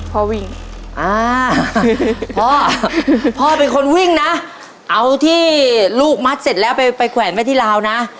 พ่อวิ่งอ่าพ่อพ่อเป็นคนวิ่งนะเอาที่ลูกมัดเสร็จแล้วไปไปแขวนไว้ที่ลาวนะ